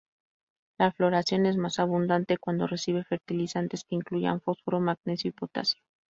La floración es más abundante cuando recibe fertilizantes que incluyan fósforo, magnesio y potasio.